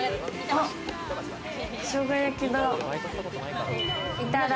あぁ、しょうが焼きだ。